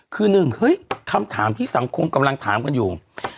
คือ๑คำถามที่สังคมกำลังถามกันอยู่